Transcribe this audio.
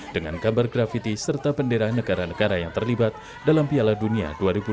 dengan gambar grafiti serta penderaan negara negara yang terlibat dalam piala dunia dua ribu delapan belas